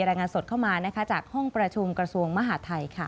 รายงานสดเข้ามาจากห้องประชุมกระทรวงมหาทัยค่ะ